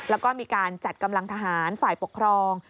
แล้วก็มีการจัดกำลังทหารฝ่ายปกครอง